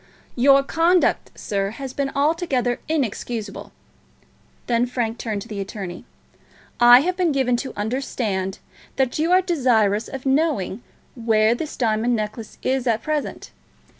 "Your conduct, sir, has been altogether inexcusable." Then Frank turned to the attorney. "I have been given to understand that you are desirous of knowing where this diamond necklace is at present.